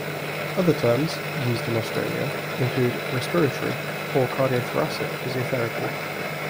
Other terms, used in Australia, include respiratory or cardiothoracic physiotherapy.